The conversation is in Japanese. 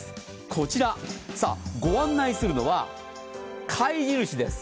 こちら、ご案内するのは貝印です。